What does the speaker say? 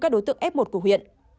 các đối tượng f một của huyện